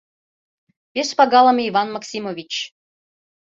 «Пеш пагалыме Иван Максимович!